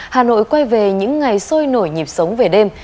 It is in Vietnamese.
hà nội quay về những ngày sôi nổi nhịp sống về đêm